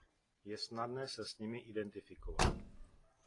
Je snadné se s nimi identifikovat.